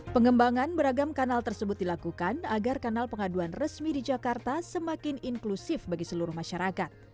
pengembangan beragam kanal tersebut dilakukan agar kanal pengaduan resmi di jakarta semakin inklusif bagi seluruh masyarakat